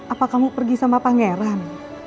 apa kamu pergi sama pangeran